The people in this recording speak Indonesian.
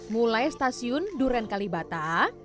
mulai stasiun duren kalibata